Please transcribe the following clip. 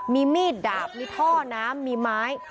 มีมีดดาบมีท่อน้ำมีไม้